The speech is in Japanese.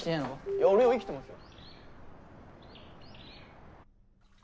いや俺は生きてますよ。